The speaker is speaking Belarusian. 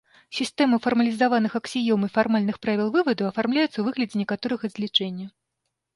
Сістэма фармалізаваных аксіём і фармальных правіл вываду афармляецца ў выглядзе некаторага злічэння.